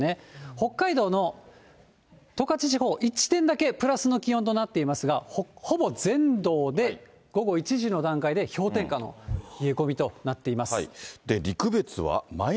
北海道の十勝地方、１地点だけプラスの気温となっていますが、ほぼ全道で午後１時の段階で氷点下の冷え込みとなっています。